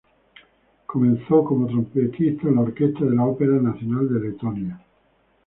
Comenzó como trompetista en la Orquesta de la Ópera Nacional de Letonia.